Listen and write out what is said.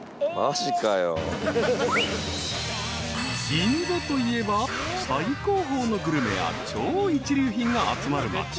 ［銀座といえば最高峰のグルメや超一流品が集まる街］